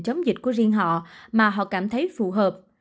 chống dịch của riêng họ mà họ cảm thấy phù hợp